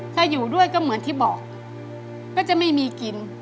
ถ้าอยู่ด้วยก็เหมือนที่บอกก็จะไม่มีกิน